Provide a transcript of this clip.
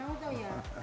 kok mau bu bapak